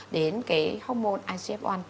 đến cái hormone icf một